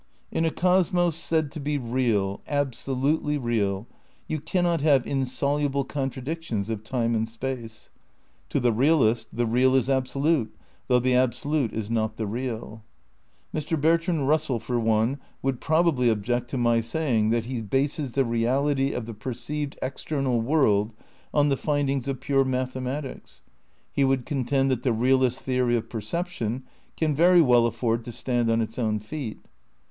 In a cosmos said to be 18 THE NEW IDEALISM n real, absolutely real, you cannot have insoluble contra dictions of time and space. To the realist the real is absolute, though the Absolute is not the real. Mr. Bertrand Russell, for one, would probably object to my saying that he bases the reality of the perceived external world on the findings of pure mathematics. He would contend that the realist theory of perception can very well afford to stand on its own feet.